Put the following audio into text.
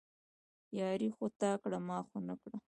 ياري خو تا کړه، ما خو نه کړه